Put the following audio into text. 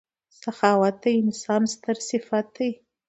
• سخاوت د انسان ستر صفت دی.